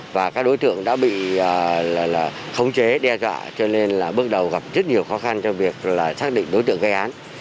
và các đối tượng đã bị khống chế đe dọa cho nên là bước đầu gặp rất nhiều khó khăn cho việc là xác định đối tượng gây án